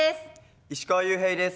石川裕平です。